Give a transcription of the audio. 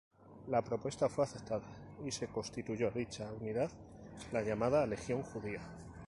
La propuesta fue aceptada, y se constituyó dicha unidad, la llamada Legión Judía.